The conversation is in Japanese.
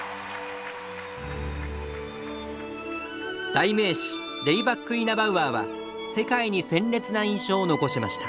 代名詞レイバック・イナバウアーは世界に鮮烈な印象を残しました。